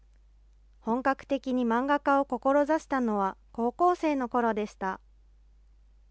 本格的に漫画家を志したのは、高校生のころでした。